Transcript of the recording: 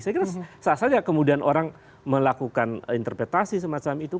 saya kira sah saja kemudian orang melakukan interpretasi semacam itu